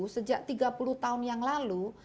sejak tiga puluh tahun yang lalu